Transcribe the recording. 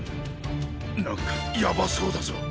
なんかヤバそうだぞ。